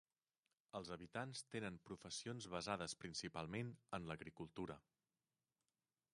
Els habitants tenen professions basades principalment en l'agricultura.